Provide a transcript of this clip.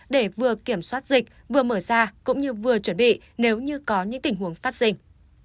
để vừa kiểm soát dịch vừa mở ra cũng như vừa chuẩn bị nếu như có những tình huống phát sinh